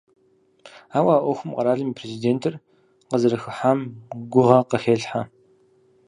Ауэ а Ӏуэхум къэралым и Президентыр къызэрыхыхьам гугъэ къахелъхьэ.